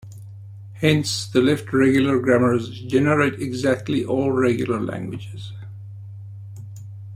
Hence, the left regular grammars generate exactly all regular languages.